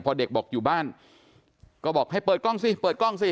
พอเด็กบอกอยู่บ้านก็บอกให้เปิดกล้องสิเปิดกล้องสิ